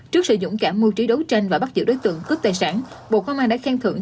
trước sử dụng cả mưu trí đấu tranh và bắt giữ đối tượng cướp tài sản bộ công an đã khen thưởng